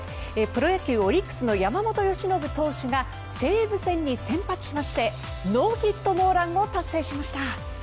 プロ野球オリックスの山本由伸投手が西武戦に先発しましてノーヒット・ノーランを達成しました。